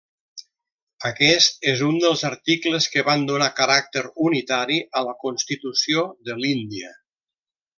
Aquest és un dels articles que van donar caràcter unitari a la Constitució de l'Índia.